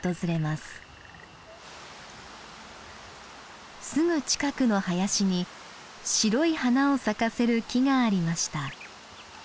すぐ近くの林に白い花を咲かせる木がありました。